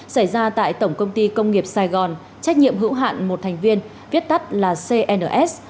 xảy ra tại tổng công ty công nghiệp sài gòn trách nhiệm hữu hạn một thành viên viết tắt là cns